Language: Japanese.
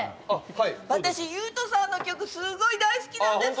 はい私ユウトさんの曲すごい大好きなんです